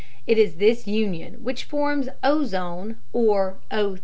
It is this union which forms ozone, or O3.